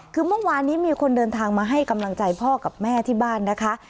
คือเมื่อวานนี้มีคนเดินทางมาให้กำลังใจพ่อกับแม่ที่บ้านนะคะ